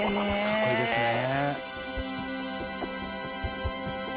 かっこいいですね。